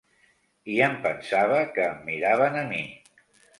I em pensava que em miraven a mi.